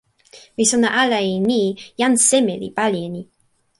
mi sona ala e ni: jan seme li pali e ni.